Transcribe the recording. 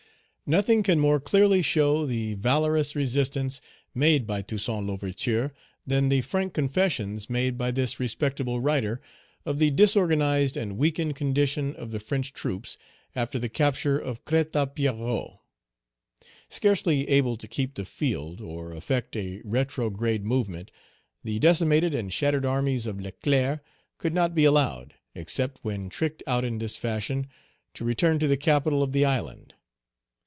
Nothing can more clearly show the valorous resistance made by Toussaint L'Ouverture than the frank confessions made by this respectable writer of the disorganized and weakened condition of the French troops after the capture of Crête à Pierrot. Scarcely able to keep the field or effect a retrograde movement, the decimated and shattered armies of Leclerc could not be allowed, except when tricked out in this fashion, to return to the capital of the island.